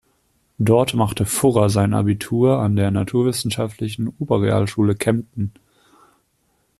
Dort machte Furrer sein Abitur an der naturwissenschaftlichen Oberrealschule Kempten.